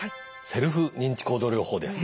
セルフ認知行動療法です。